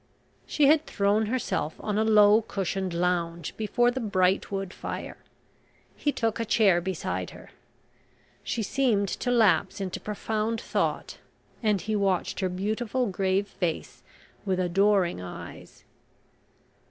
She had thrown herself on a low cushioned lounge before the bright wood fire. He took a chair beside her. She seemed to lapse into profound thought, and he watched her beautiful grave face with adoring eyes.